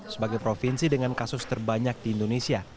sebagai provinsi dengan kasus terbanyak di indonesia